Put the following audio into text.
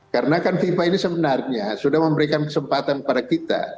karena kan fifa ini sebenarnya sudah memberikan kesempatan kepada kita